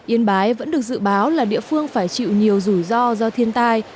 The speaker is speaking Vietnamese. yên bái vẫn được dự báo là địa phương phải chịu nhiều rủi ro do thiên tai